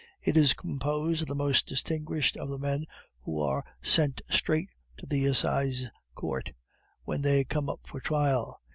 It is composed of the most distinguished of the men who are sent straight to the Assize Courts when they come up for trial.